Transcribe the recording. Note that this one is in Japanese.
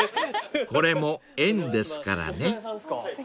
［これも縁ですからね］